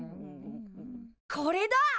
これだ！